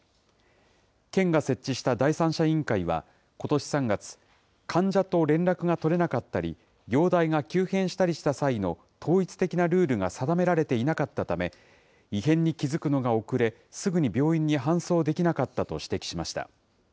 県が設置した第三者委員会は、ことし３月、患者と連絡が取れなかったり容体が急変したりした際の統一的なルールが定められていなかったため、異変に気付くのが遅れ、すぐに病院に搬送できなかったと指摘しました。